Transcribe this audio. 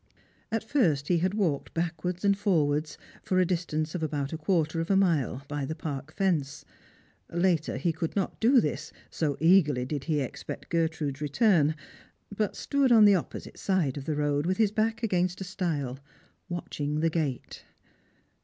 At first he had walked backwards and forwards, for a distance ©f about a quarter of a mile, by the park fence. Later he could not do this, so eagerly did he expect Gertrude's return, but stood on the opposite side of the road, with his back against a stile, watching the gate.